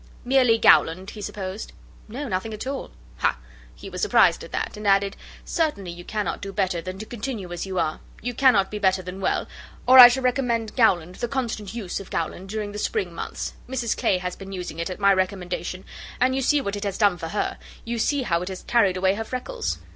"Merely Gowland," he supposed. "No, nothing at all." "Ha! he was surprised at that;" and added, "certainly you cannot do better than to continue as you are; you cannot be better than well; or I should recommend Gowland, the constant use of Gowland, during the spring months. Mrs Clay has been using it at my recommendation, and you see what it has done for her. You see how it has carried away her freckles."